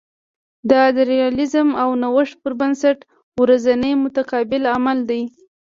دا د ریالیزم او نوښت پر بنسټ ورځنی متقابل عمل دی